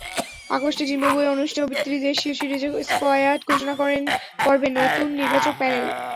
আগস্টে জিম্বাবুয়ে অনুষ্ঠেয় ত্রিদেশীয় সিরিজে স্কোয়াড ঘোষণা করবে নতুন নির্বাচক প্যানেল।